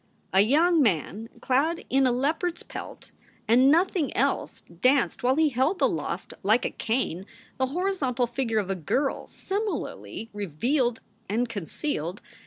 A young man clad in a leopard s pelt and nothing else danced while he held aloft like a cane the horizontal figure of a girl similarly revealed and concealed.